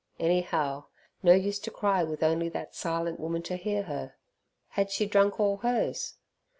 Anyhow no use to cry with only that silent woman to hear her. Had she drunk all hers?